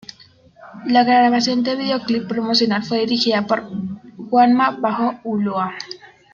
La grabación del videoclip promocional fue dirigida por Juanma Bajo Ulloa.